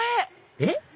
えっ？